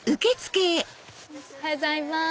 おはようございます。